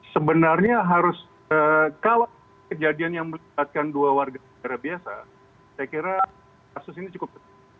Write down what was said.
sebenarnya harus kalau kejadian yang melibatkan dua warga negara biasa saya kira kasus ini cukup penting